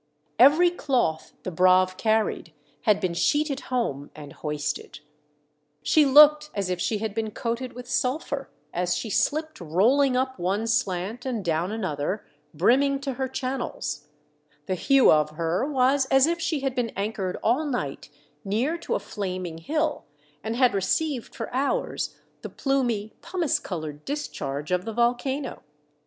Every cloth the Braave 346 THE DEATH SHIP. carried had been sheeted home and hoisted. She looked as if she had been coated with sulphur, as she slipped rolling up one slant and down another brimming to her channels ; the hue of her was as if she had been anchored all night near to a flaming hill and had received for hours the plumy, pumice coloured discharge of the volcano.